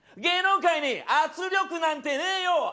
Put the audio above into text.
芸能界に圧力なんてねえよ。